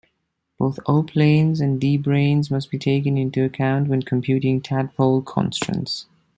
Both O-planes and D-branes must be taken into account when computing tadpole constraints.